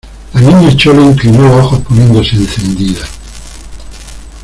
la Niña Chole inclinó los ojos poniéndose encendida: